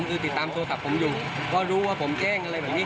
คือติดตามโทรศัพท์ผมอยู่เพราะรู้ว่าผมแจ้งอะไรแบบนี้